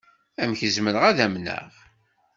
Amek zemreɣ ad amneɣ?